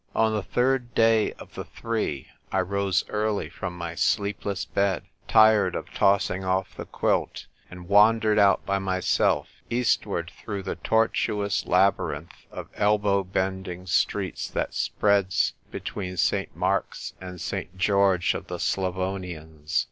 On the third day of the three I rose early from my sleepless bed — tired of tossing off the quilt — and wandered out by myself east ward through the tortuous labyrinth of elbow bending streets that spreads between St. Mark's and St. George of the Slavonians.